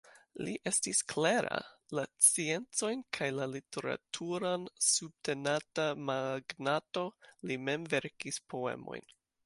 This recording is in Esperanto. Li estis klera, la sciencojn kaj la literaturon subtenanta magnato, li mem verkis poemojn.